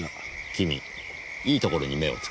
君いいところに目をつけますね。